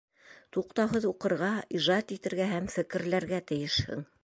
Туҡтауһыҙ уҡырға, ижад итергә һәм фекерләргә тейешһең.